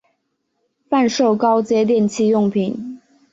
贩售高阶电器用品